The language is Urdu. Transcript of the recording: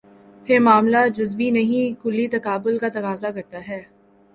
پھر معاملہ جزوی نہیں، کلی تقابل کا تقاضا کرتا ہے۔